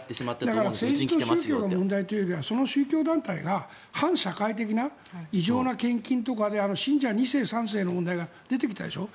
だから政治と宗教の問題というよりはその宗教団体が反社会的な異常な献金とかで信者２世、３世の問題が出てきたでしょ。